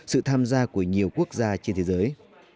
sự tham gia của nhiều quốc gia trên thế giới